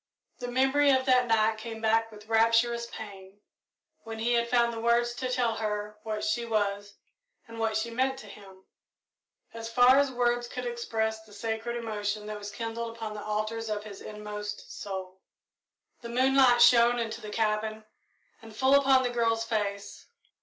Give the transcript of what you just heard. The memory of that night came back with rapturous pain when he had found the words to tell her what she was and what she meant to him, as far as words could express the sacred emotion that was kindled upon the altars of his inmost soul. The moonlight shone into the cabin and full upon the girl's face.